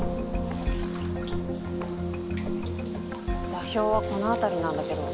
座標はこの辺りなんだけど。